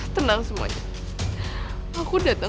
bahasa korea blockchain